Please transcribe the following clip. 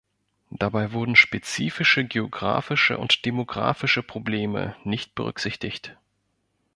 Dabei wurden spezifische geografische und demografische Probleme nicht berücksichtigt.